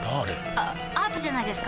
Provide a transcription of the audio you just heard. あアートじゃないですか？